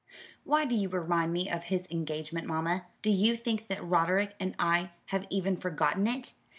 "Why do you remind me of his engagement, mamma? Do you think that Roderick and I have even forgotten it?